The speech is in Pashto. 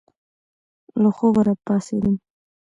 له خوبه را پاڅېدم.